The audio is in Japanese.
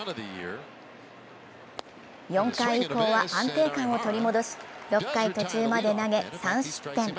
４回以降は安定感を取り戻し６回途中まで投げ３失点。